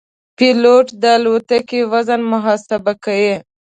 پیلوټ د الوتکې وزن محاسبه کوي.